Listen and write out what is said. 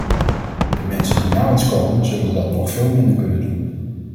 De mensen die na ons komen zullen dat nog veel minder kunnen doen.